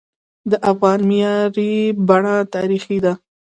د افغان معماری بڼه تاریخي ده.